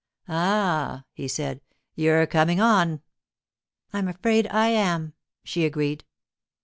'Ah,' he said. 'You're coming on.' 'I'm afraid I am!' she agreed.